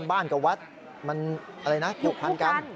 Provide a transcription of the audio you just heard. บ้านกับวัดมันผูกพันกัน